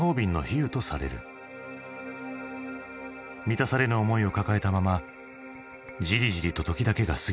満たされぬ思いを抱えたままじりじりと時だけが過ぎてゆく。